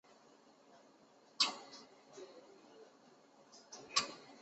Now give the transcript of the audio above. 大部分的人认为建商偷工减料是导致大楼坍塌原因之一。